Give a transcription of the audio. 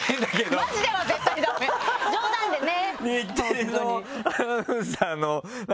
冗談でね。